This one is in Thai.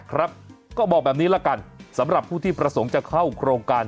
ครับก็บอกแบบนี้ละกันสำหรับผู้ที่ประสงค์จะเข้าโครงการ